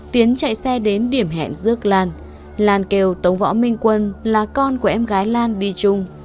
tiến chạy xe đến điểm hẹn giữa lan làn kêu tống võ minh quân là con của em gái lan đi chung